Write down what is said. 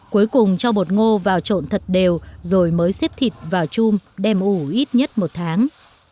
cuối cùng cho bột ngô vào trộn thật đều rồi mới xếp thịt vào chung đem ủ ít nhất một tháng